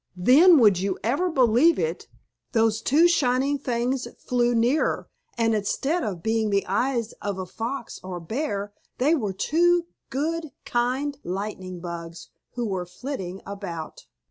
Then, would you ever believe it? those two shining things flew nearer, and instead of being the eyes of a fox or bear they were two, good, kind, lightning bugs, who were flitting about.